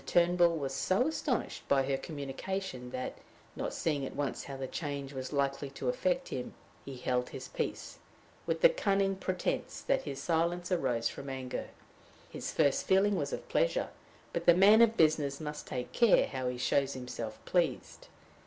Turnbull was so astonished by her communication that, not seeing at once how the change was likely to affect him, he held his peace with the cunning pretense that his silence arose from anger. His first feeling was of pleasure, but the man of business must take care how he shows himself pleased.